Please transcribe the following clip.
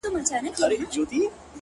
هره ورځ د نوي جوړېدو فرصت دی